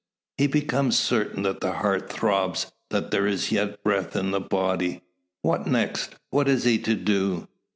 He becomes certain that the heart throbs; that there is yet breath in the body. What next? What is he to do?